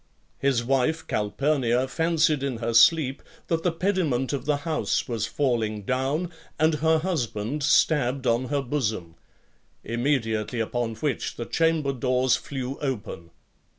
His wife Calpurnia fancied in her sleep that the pediment of the house was falling down, and her husband stabbed on her bosom; immediately upon which the chamber doors flew open.